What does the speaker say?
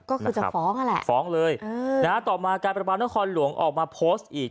ก็คือจะฟ้องนั่นแหละฟ้องเลยต่อมาการประปานครหลวงออกมาโพสต์อีก